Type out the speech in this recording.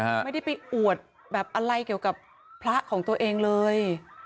ไม่ได้ไปอวดแบบอะไรเกี่ยวกับพระของตัวเองเลย